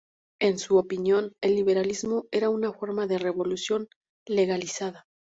En su opinión, el liberalismo era una forma de revolución legalizada.